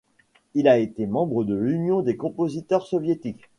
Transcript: Il a été membre de l'Union des compositeurs soviétiques.